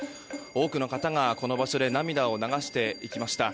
多くの方が、この場所で涙を流していきました。